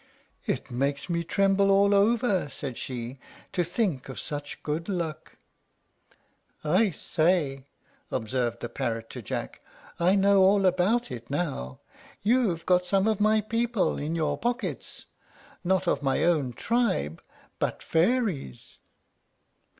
"It makes me tremble all over," said she, "to think of such good luck." "I say," observed the parrot to Jack, "I know all about it now. You've got some of my people in your pockets, not of my own tribe, but fairies."